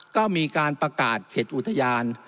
ก็มีการประกาศเขตอุทยาน